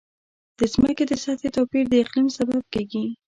د ځمکې د سطحې توپیر د اقلیم سبب کېږي.